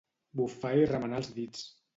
Bufar i remenar els dits.